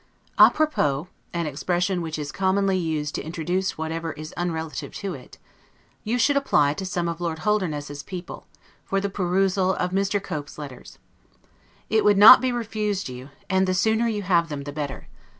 'A propos' (an expression which is commonly used to introduce whatever is unrelative to it) you should apply to some of Lord Holderness's people, for the perusal of Mr. Cope's letters. It would not be refused you; and the sooner you have them the better.